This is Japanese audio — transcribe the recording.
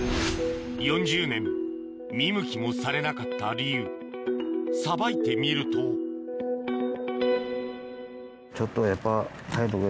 ４０年見向きもされなかった理由さばいてみるとちょっとやっぱ。